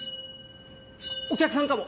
お客さんかも！？